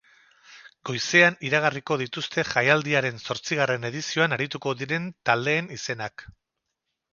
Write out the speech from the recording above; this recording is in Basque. Goizean iragarriko dituzte jaialdiaren zortzigarren edizioan arituko diren taldeen izenak.